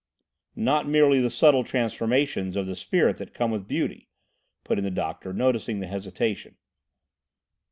"Not merely the subtle transformations of the spirit that come with beauty," put in the doctor, noticing his hesitation.